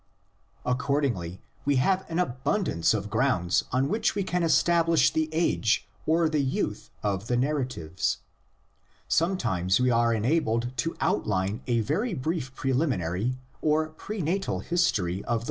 Accordingly we have an abundance of grounds on which we can establish the age or the youth of the narratives. Sometimes we are enabled to outline a very brief preliminary or pre natal history of the THE LEGENDS IN ORAL TRADITION.